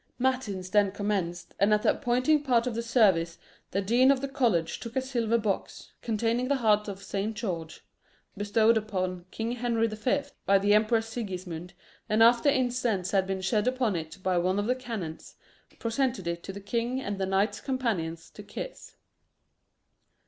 Matins then commenced, and at the appointed part of the service the dean of the college took a silver box, containing the heart of Saint George, bestowed upon King Henry the Fifth by the Emperor Sigismund, and after incense had been shed upon it by one of the canons, presented it to the king and the knights companions to kiss.